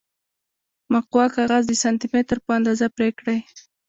مقوا کاغذ د سانتي مترو په اندازه پرې کړئ.